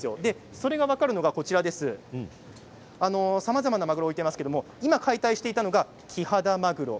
それが分かるのがこちらさまざまなマグロを置いていますが今解体していたのがキハダマグロ。